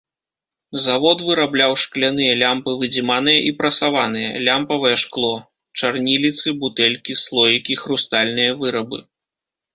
Завод вырабляў шкляныя лямпы выдзіманыя і прасаваныя, лямпавае шкло, чарніліцы, бутэлькі, слоікі, хрустальныя вырабы.